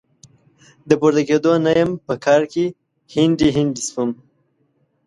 د پورته کېدو نه يم؛ په کار کې هنډي هنډي سوم.